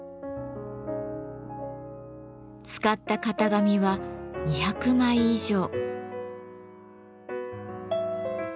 使った型紙は２００枚以上。